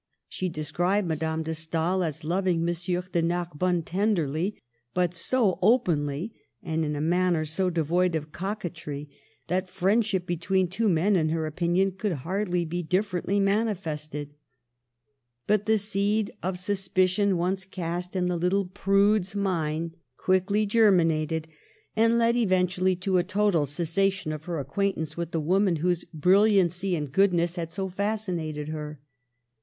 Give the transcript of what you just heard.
She de scribed Madame de Stael as loving M. de Nar bonne tenderly, but so openly, and in a manner so devoid of coquetry, that friendship between two men, in her opinion, could hardly be dif ferently manifested. But the seed of suspicion once cast in the little prude's mind, quickly Digitized by VjOOQIC IS COURAGEOUS FOR HER FRIENDS. 55 germinated, and led eventually to a total cessa tion of her acquaintance with the woman whose brilliancy and goodness had so fascinated her.